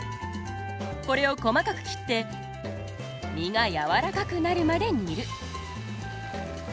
これを細かく切って実が柔らかくなるまで煮る。